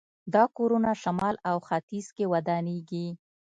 دا کورونه شمال او ختیځ کې ودانېږي.